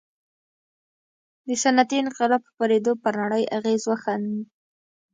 د صنعتي انقلاب خپرېدو پر نړۍ اغېز وښند.